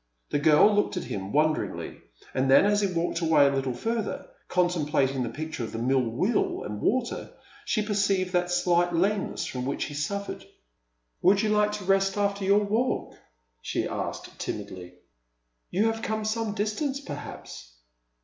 The girl looked at him wonderingly, and then, as he walked away a little further, con templating the picture of mill wheel and water, she perceived that slight lameness from which he suffered. "Would you like to rest after your walk?" she asked, timidly. " You have come some distance, perhaps